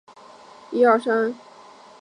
他的剧作在世界各地上演。